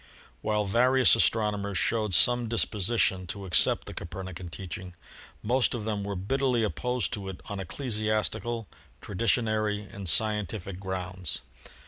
While various astronomers showed some disposition to accept the Copernican teaching, most of them were bitterly opposed to it on ecclesiastical, traditionary and scientific grounds.